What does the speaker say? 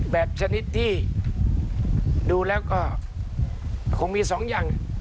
แบบชนิดที่ดูแล้วก็คงมี๒อย่าง